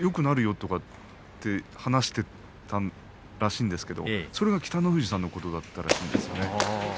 そんな話をしていたらしいんですけどもそれが北の富士さんのことだったらしいです。